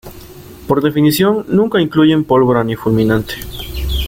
Por definición, nunca incluyen pólvora ni fulminante.